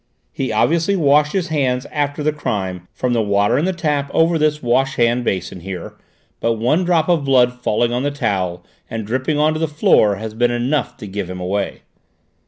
He obviously washed his hands after the crime in the water from the tap over this wash hand basin here, but one drop of blood falling on the towel and dripping on to the floor has been enough to give him away."